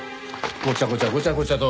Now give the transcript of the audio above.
ごちゃごちゃごちゃごちゃと！